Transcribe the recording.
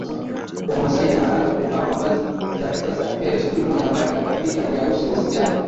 Wamasai wanaanza kuvaa mavazi za kisasa piaDesturi moja ambayo inabadilika ni arusi Wasichana